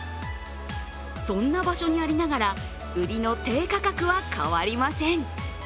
そんな場所にありながら、売りの低価格は変わりません。